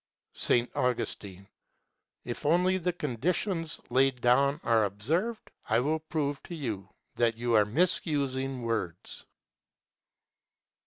S. Augustine. If only the conditions laid down are observed, I will prove to you that you are misusing words.